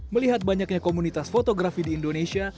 melihat banyaknya komunitas fotografi di indonesia